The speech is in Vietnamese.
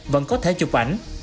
vẫn có thể chụp ảnh